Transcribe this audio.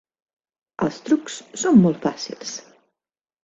Els trucs són molt fàcils.